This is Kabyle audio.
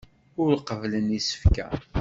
Ur qebblen isefka.